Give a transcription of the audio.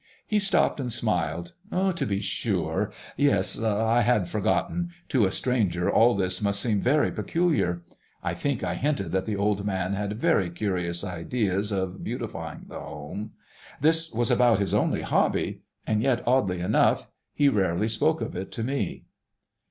He stopped and smiled. "To be sure.... Yes, I had forgotten; to a stranger all this must seem very peculiar. I think I hinted that the old man had very curious ideas of beautifying the home. This was about his only hobby—and yet, oddly enough, he rarely spoke of it to me."